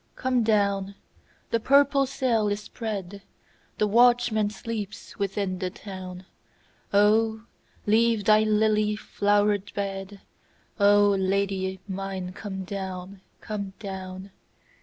Come down! the purple sail is spread, The watchman sleeps within the town,O leave thy lily flowered bed,O Lady mine come down, come down!